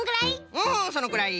うんそのくらい。